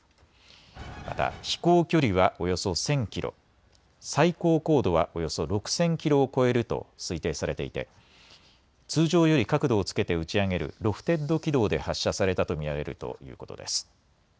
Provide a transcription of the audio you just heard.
また飛行距離はおよそ１０００キロ、最高高度はおよそ６０００キロを超えると推定されていて通常より角度をつけて打ち上げるロフテッド軌道で発射されたと見られるということです。